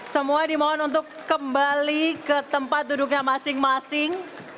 semua dimohon untuk kembali ke tempat duduknya masing masing